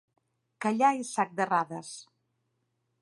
Callar és sac d'errades.